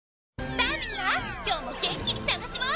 さあみんな今日も元気に楽しもう！